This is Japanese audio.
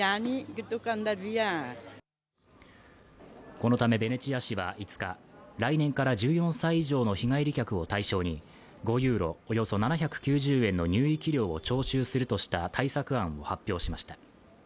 このためベネチア市は５日来年から１４歳以上の日帰り客を対象に５ユーロ、およそ７９０円の入域料を徴収するとした対策案を発表しました。